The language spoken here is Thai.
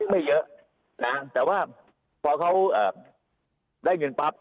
ไม่เยอะนะแต่ว่าพอเขาได้เงินปั๊บ